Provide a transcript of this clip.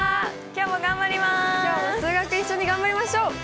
今日も数学一緒に頑張りましょう！